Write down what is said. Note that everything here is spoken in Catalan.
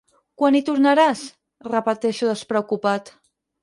Quan hi tornaràs? –repeteixo despreocupat–.